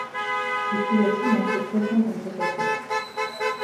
s’écria-t-il en se pressant contre sa sœur.